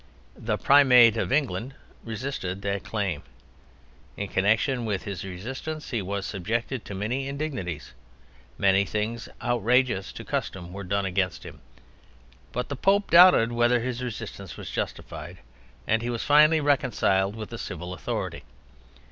The Primate of England resisted that claim. In connection with his resistance he was subjected to many indignities, many things outrageous to custom were done against him; but the Pope doubted whether his resistance was justified, and he was finally reconciled with the civil authority.